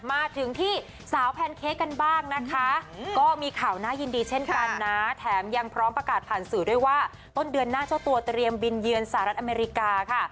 มาถึงที่สาวแพนเค้กกันบ้างนะคะก็มีข่าวน่ายินดีเช่นกันนะแถมยังพร้อมประกาศผ่านสื่อด้วยว่าต้นเดือนหน้าเจ้าตัวเตรียมบินเยือนสหรัฐอเมริกาค่ะ